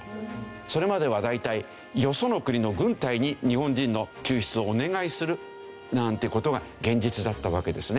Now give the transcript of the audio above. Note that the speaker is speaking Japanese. それまでは大体よその国の軍隊に日本人の救出をお願いするなんて事が現実だったわけですね。